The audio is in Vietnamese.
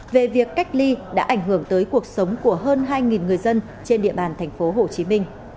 về việc cách ly đã ảnh hưởng tới cuộc sống của hơn hai người dân trên địa bàn tp hcm